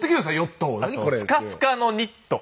あとスカスカのニット。